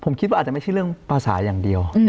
ไม่มีเลย